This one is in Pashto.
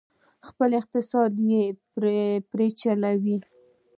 خپل اقتصاد یې پرې وچلوه،